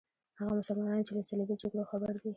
هغه مسلمانان چې له صلیبي جګړو خبر دي.